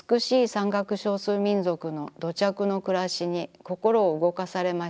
山岳少数民族の土着のくらしに心をうごかされました。